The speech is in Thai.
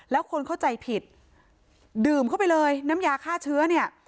แล้วคนเข้าใจผิดดื่มเข้าไปเลยน้ำยาฆ่าเชื้อเนี่ย